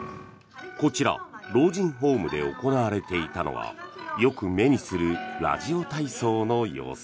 こちら、老人ホームで行われていたのはよく目にするラジオ体操の様子。